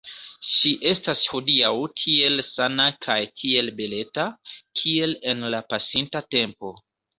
Ŝi estas hodiaŭ tiel sana kaj tiel beleta, kiel en la pasinta tempo.